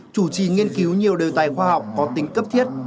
chủ trì nghiên cứu nhiều đề tài khoa học có tính cấp thiết